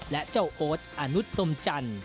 และเจ้าโอ๊ตอานุษพรมจันทร์